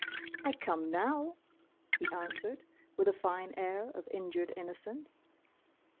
"I come now!" he answered, with a fine air of injured innocence.